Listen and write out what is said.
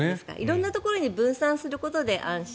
色んなところに分散することで安心。